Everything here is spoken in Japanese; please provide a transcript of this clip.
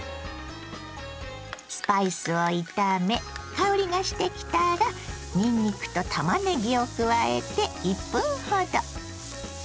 スパイスを炒め香りがしてきたらにんにくとたまねぎを加えて１分ほど。